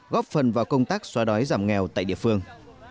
góp phần vào công tác xóa đói giảm nghèo tại địa phương